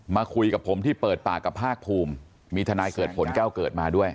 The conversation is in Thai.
มาคุยกับผมที่เปิดปากกับภาคภูมิมีทนายเกิดผลแก้วเกิดมาด้วย